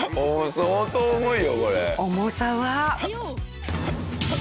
相当重いよこれ。